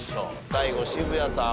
最後渋谷さん